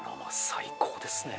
最高ですね。